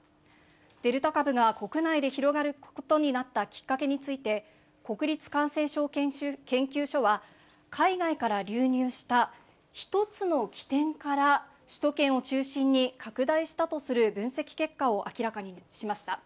デルタ株が国内で広がることになったきっかけについて、国立感染症研究所は、海外から流入した１つの起点から、首都圏を中心に拡大したとする分析結果を明らかにしました。